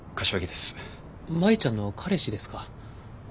舞ちゃんの彼氏ですか。